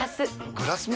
グラスも？